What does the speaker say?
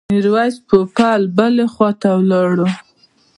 میرویس پوپل بلې خواته ولاړ.